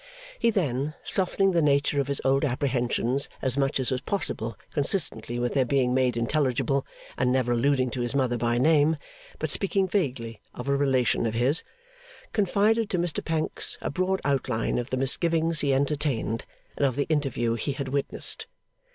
He then, softening the nature of his old apprehensions as much as was possible consistently with their being made intelligible and never alluding to his mother by name, but speaking vaguely of a relation of his, confided to Mr Pancks a broad outline of the misgivings he entertained, and of the interview he had witnessed.